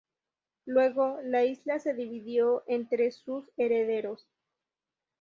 Luego, la isla se dividió entre sus herederos.